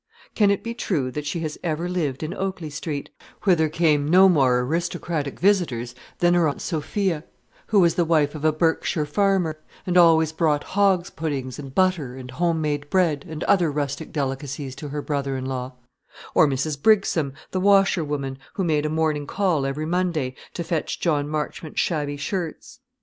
Can it be true that she has ever lived in Oakley Street, whither came no more aristocratic visitors than her Aunt Sophia, who was the wife of a Berkshire farmer, and always brought hogs' puddings, and butter, and home made bread, and other rustic delicacies to her brother in law; or Mrs. Brigsome, the washer woman, who made a morning call every Monday, to fetch John Marchmont's shabby shirts?